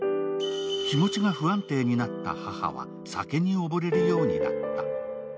気持ちが不安定になった母は酒に溺れるようになった。